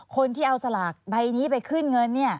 คนที่เอาสลากใบนี้ไปขึ้นเงิน